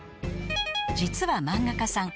［実は漫画家さん